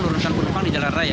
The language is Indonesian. lurusan penumpang di jalan raya